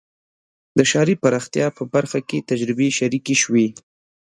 د ښاري پراختیا په برخه کې تجربې شریکې شوې.